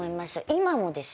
今もですよ。